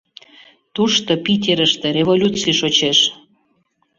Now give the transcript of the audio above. Тушто, Питерыште, революций шочеш.